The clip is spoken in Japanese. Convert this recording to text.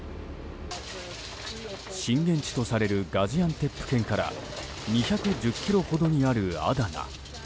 震源地とされるガジアンテップ県から２１０ｋｍほどにあるアダナ。